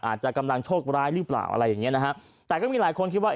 อาจจะกำลังโชคร้ายหรือเปล่าอะไรอย่างเงี้นะฮะแต่ก็มีหลายคนคิดว่า